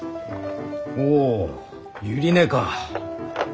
おお百合根か。